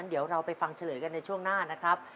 เดี๋ยวเราไปฟังเฉลยกันในช่วงหน้านะครับ